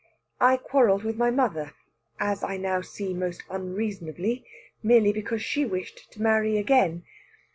I quarrelled with my mother as I now see most unreasonably merely because she wished to marry again.